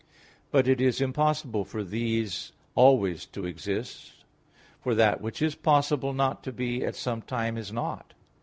But it is impossible for these always to exist, for that which is possible not to be at some time is not.